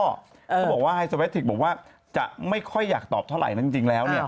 เขาบอกว่าไฮโซเวทิกบอกว่าจะไม่ค่อยอยากตอบเท่าไหร่นะจริงแล้ว